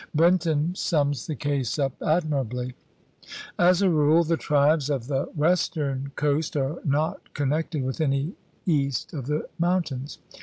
Brinton sums the case up admirably: As a rule the tribes of the western coast are not con nected with any east of the mountains.